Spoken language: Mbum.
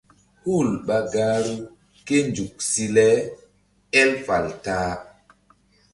Hul ɓa gahru ké nzuk si le él fal ta-a.